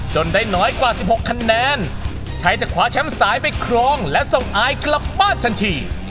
จนได้น้อยกว่า๑๖คะแนถึงจะครับสายไปครองและส่งอายกลับบ้านทันที